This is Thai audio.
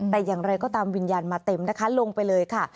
แต่อย่างไรก็ตามวิญญาณมาเต็มนะคะลงไปเลยค่ะ